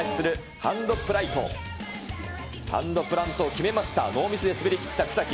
ハンドプラントを決めました、ノーミスで滑りきった草木。